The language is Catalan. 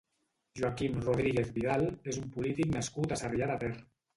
Joaquim Rodríguez Vidal és un polític nascut a Sarrià de Ter.